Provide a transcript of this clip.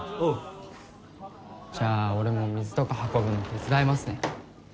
じゃあ俺も水とか運ぶの手伝いますね。